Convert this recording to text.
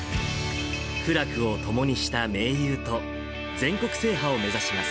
苦楽をともにした盟友と、全国制覇を目指します。